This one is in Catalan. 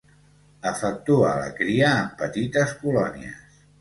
Efectua la cria en petites colònies.